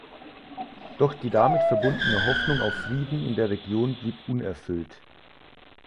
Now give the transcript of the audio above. Doch die damit verbundene Hoffnung auf Frieden in der Region blieb unerfüllt.